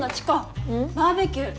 バーベキュー！